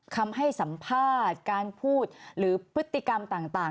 คำให้สัมภาษณ์การพูดหรือพฤติกรรมต่าง